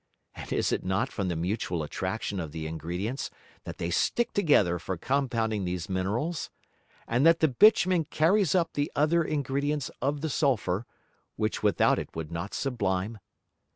And is it not from the mutual Attraction of the Ingredients that they stick together for compounding these Minerals, and that the Bitumen carries up the other Ingredients of the Sulphur, which without it would not sublime?